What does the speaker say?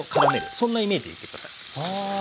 そんなイメージでいって下さい。